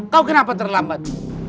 kau kenapa terlambat